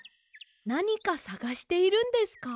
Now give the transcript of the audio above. なにかさがしているんですか？